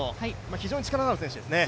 非常に力のある選手ですね。